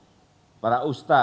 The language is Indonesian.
saya mengajak peran aktif para ulama